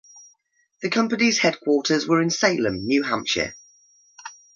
The company's headquarters were in Salem, New Hampshire.